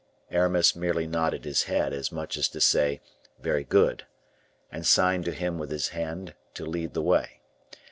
Aramis merely nodded his head, as much as to say, "Very good"; and signed to him with his hand to lead the way.